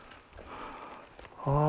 ああ。